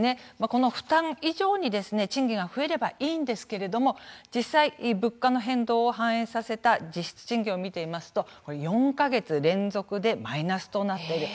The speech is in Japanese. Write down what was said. この負担以上に賃金が増えればいいんですけれども実際、物価の変動を反映させた実質賃金を見てみますと４か月連続でマイナスとなっている。